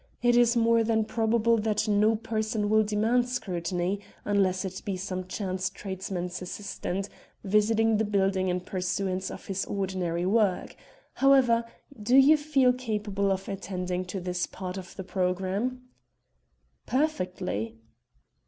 It is more than probable that no person will demand scrutiny, unless it be some chance tradesman's assistant visiting the building in pursuance of his ordinary work. However, do you feel capable of attending to this part of the programme?" "Perfectly."